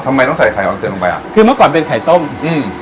ทำไมต้องใส่ไข่ออนเซนลงไปอ่ะคือเมื่อก่อนเป็นไข่ต้มอืม